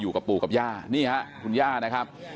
อยู่กับปู่กับย่านี่ฮะคุณย่านะครับ